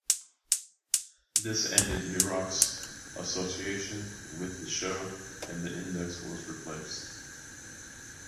This ended Nurock's association with the show and the Index was replaced.